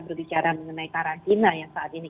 berbicara mengenai karantina yang saat ini